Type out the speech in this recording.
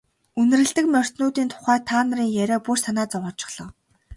Үнэрлэдэг морьтнуудын тухай та нарын яриа бүр санаа зовоочихлоо.